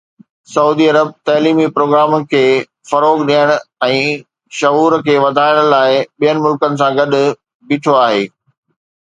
سعودي عرب تعليمي پروگرامن کي فروغ ڏيڻ ۽ شعور کي وڌائڻ لاء ٻين ملڪن سان گڏ بيٺو آهي